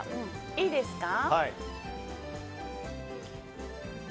いいですか？